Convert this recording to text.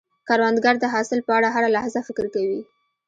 کروندګر د حاصل په اړه هره لحظه فکر کوي